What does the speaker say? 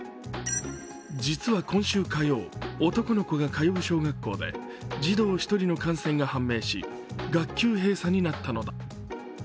実は今週火曜、男の子が通う小学校で児童１人の感染が判明し、学級閉鎖になったのだ。